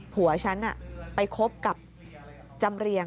ผัวฉันไปคบกับจำเรียง